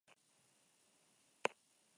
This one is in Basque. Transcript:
Biek, pisu bat erosi zuten.